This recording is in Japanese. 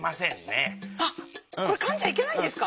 あっこれかんじゃいけないんですか？